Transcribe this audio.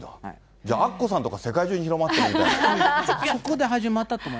じゃあ、アッコさんとか世界中に広まってるみたいな。